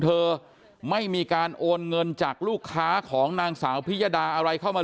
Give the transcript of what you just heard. เธอไม่มีการโอนเงินจากลูกค้าของนางสาวพิยดาอะไรเข้ามา